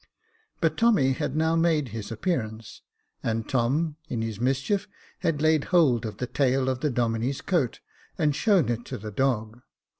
But Tommy had now made his appearance, and Tom, in his mischief, had laid hold of the tail of the Domine's coat, and shown it to the dog.